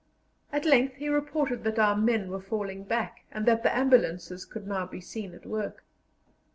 At length he reported that our men were falling back, and that the ambulances could now be seen at work.